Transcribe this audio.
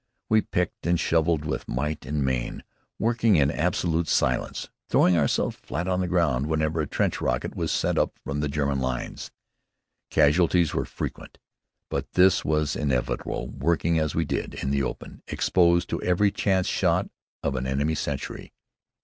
We picked and shoveled with might and main, working in absolute silence, throwing ourselves flat on the ground whenever a trench rocket was sent up from the German lines. Casualties were frequent, but this was inevitable, working, as we did, in the open, exposed to every chance shot of an enemy sentry.